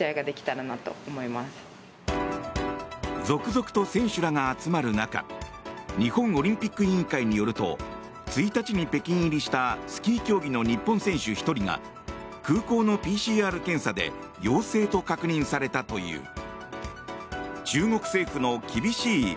続々と選手らが集まる中日本オリンピック委員会によると１日に北京入りしたスキー競技の日本選手１人が空港のＰＣＲ検査で陽性と確認されたという。